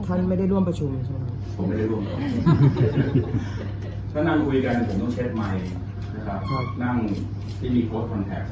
ท่านไม่ได้ร่วมประชุมใช่ไหมครับ